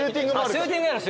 シューティングやろう。